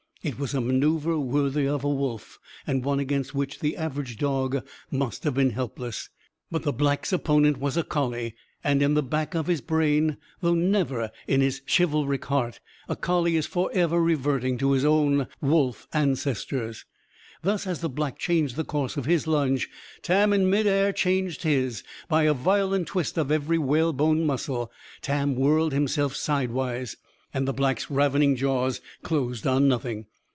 It was a manœuvre worthy of a wolf; and one against which the average dog must have been helpless. But the Black's opponent was a collie. And, in the back of his brain, though never in his chivalric heart, a collie is forever reverting to his own wolf ancestors. Thus, as the Black changed the course of his lunge, Tam, in mid air, changed his. By a violent twist of every whalebone muscle, Tam whirled himself sidewise. And the Black's ravening jaws closed on nothing.